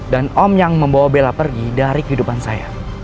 dan om yang membawa bella pergi dari kehidupan saya